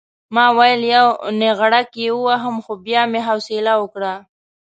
ما ویل یو نېغړک یې ووهم خو بیا مې حوصله وکړه.